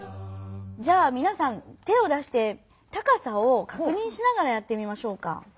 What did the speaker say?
じゃあみなさん手を出して高さをかくにんしながらやってみましょうか。